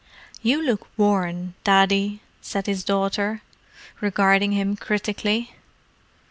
"You look worn, Daddy," said his daughter, regarding him critically.